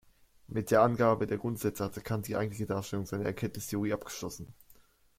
Mit der Angabe der Grundsätze hatte Kant die eigentliche Darstellung seiner Erkenntnistheorie abgeschlossen.